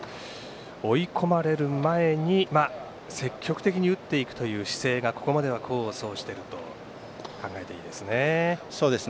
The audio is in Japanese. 追い込まれる前に積極的に打っていくという姿勢がここまでは功を奏していると考えていいですね。